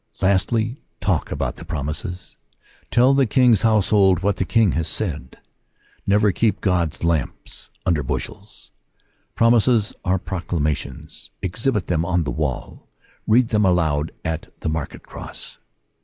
Lastly, talk about the promises. Tell the King s household what the King has said. Never keep God's lamps under bushels. Promises are pro clamations ; exhibit them on the wall ; read them aloud at the market cross.